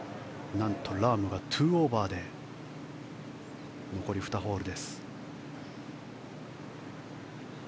何と、ラームが２オーバーで残り２ホール。